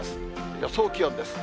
予想気温です。